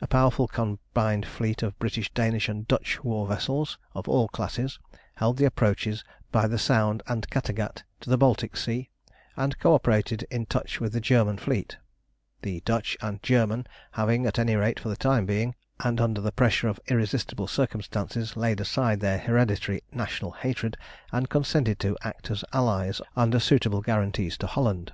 A powerful combined fleet of British, Danish, and Dutch war vessels of all classes held the approaches by the Sound and Kattegat to the Baltic Sea, and co operated in touch with the German fleet; the Dutch and the German having, at any rate for the time being, and under the pressure of irresistible circumstances, laid aside their hereditary national hatred, and consented to act as allies under suitable guarantees to Holland.